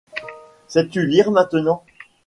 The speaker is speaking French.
Sais-tu lire maintenant ?